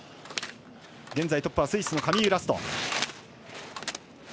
現在トップはスイスのカミーユ・ラスト。